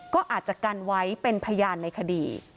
ก็อาจจะกันไว้เป็นพยานในคดี